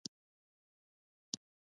زرګونه لوحې، اسناد او ریکارډونه جوړېدل.